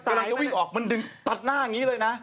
กำลังจะวิ่งออกมันดึงตัดหน้าอย่างนี้เลยนะ